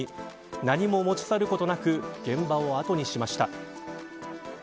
何も持ち去ることなく現場を後にしました。